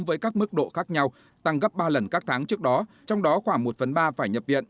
với các mức độ khác nhau tăng gấp ba lần các tháng trước đó trong đó khoảng một phần ba phải nhập viện